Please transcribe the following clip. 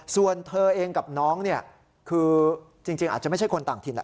ส่วนเธอเองกับน้องเนี่ยคือจริงอาจจะไม่ใช่คนต่างถิ่น